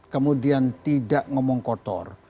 kemudian tidak ngomong kotor